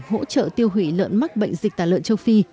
hỗ trợ tiêu hủy lợn mắc bệnh dịch tả lợn châu phi